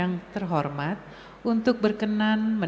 ini kan untuk yang hybrid